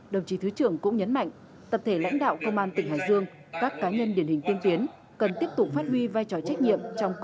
đồng chí thứ trưởng cũng nhấn mạnh tập thể lãnh đạo công an tỉnh hải dương